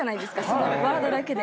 そのワードだけで。